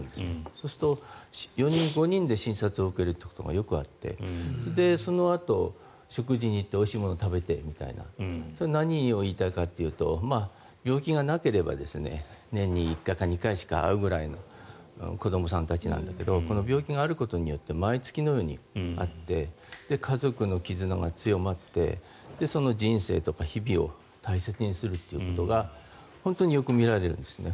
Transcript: そうすると４人、５人で診察を受けることがよくあってそれでそのあと食事に行っておいしいもの食べてみたいな何を言いたいかというと病気がなければ年に１回か２回会うくらいの子どもさんたちなんだけどこの病気があることで毎月のように会って家族の絆が強まって人生とか日々を大切にするということが本当によく見られるんですね。